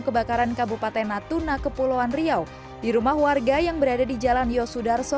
kebakaran kabupaten natuna kepulauan riau di rumah warga yang berada di jalan yosudarso